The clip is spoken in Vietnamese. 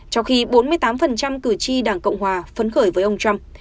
trong khi bốn mươi tám cử tri đảng cộng hòa phấn khởi với ông trump